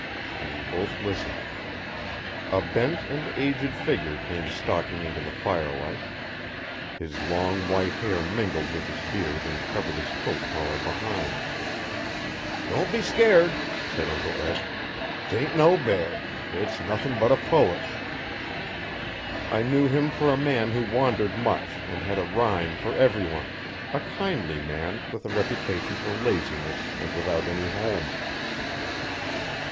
and we both listened. A bent and aged figure came stalking into the firelight. His long white hair mingled with his beard and covered his coat collar behind. 'Don't be scairt,' said Uncle Eb. ''Tain' no bear. It's nuthin' but a poet.' I knew him for a man who wandered much and had a rhyme for everyone a kindly man with a reputation for laziness and without any home.